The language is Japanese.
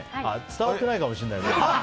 伝わってないかもしれないね。